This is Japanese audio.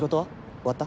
終わった？